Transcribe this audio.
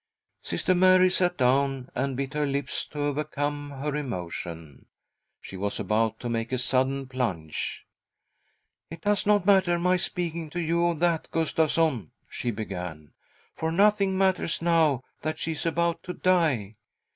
Sister Mary sat down and bit her lips to overcome her emotion, y She was about to make a sudden plunge. .'" It does not matter my speaking to you of that, Gustavsson," she began, " for nothing matters now that she is about to die.